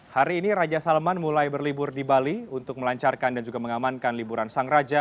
hari ini raja salman mulai berlibur di bali untuk melancarkan dan juga mengamankan liburan sang raja